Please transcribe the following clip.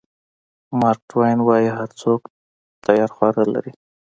مارک ټواین وایي هر څوک تیاره خوا لري.